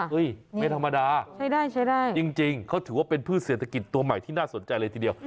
ไม่ธรรมดาใช้ได้ใช้ได้จริงเขาถือว่าเป็นพืชเศรษฐกิจตัวใหม่ที่น่าสนใจเลยทีเดียว